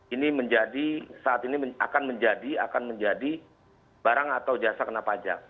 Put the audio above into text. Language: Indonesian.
ini menjadi saat ini akan menjadi barang atau jasa kena pajak